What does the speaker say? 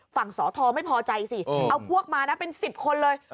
สอทอไม่พอใจสิเอาพวกมานะเป็น๑๐คนเลย